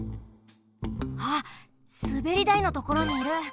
ああすべりだいのところにいる。